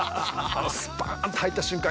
スパーンと入った瞬間